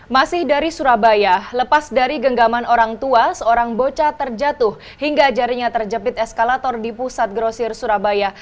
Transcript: masih dari surabaya lepas dari genggaman orang tua seorang bocah terjatuh hingga jarinya terjepit eskalator di pusat grosir surabaya